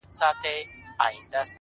o او راته وايي دغه،